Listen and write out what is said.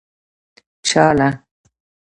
چا له.